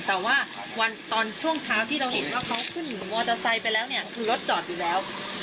แต่ว่าวันตอนช่วงเช้าที่เราเห็นว่าเขาขึ้นมอเตอร์ไซด์ไปแล้วเนี้ย